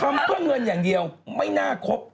ทำเพื่อเงินอย่างเดียวไม่น่าครบ